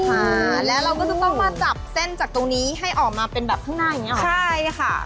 ค่ะแล้วเราก็จะต้องมาจับเส้นจากตรงนี้ให้ออกมาเป็นแบบข้างหน้าอย่างเงี้เหรอใช่ค่ะ